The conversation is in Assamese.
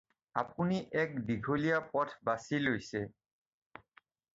আপুনি এক দীঘলীয়া পথ বাছি লৈছে।